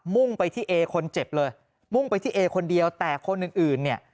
่งไปที่เอคนเจ็บเลยมุ่งไปที่เอคนเดียวแต่คนอื่นอื่นเนี่ย